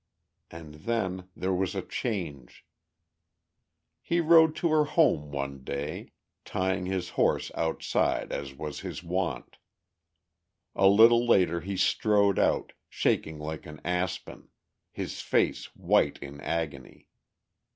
And then there was a change. He rode to her home one day, tying his horse outside as was his wont. A little later he strode out, shaking like an aspen, his face white in agony.